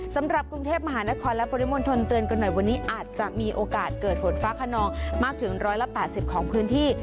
สำหรับกรุงเทพมหานครและปริมณฑลเตือนกันหน่อยวันนี้อาจจะมีโอกาสเกิดฝนฟ้าขนองมากถึง๑๘๐ของพื้นที่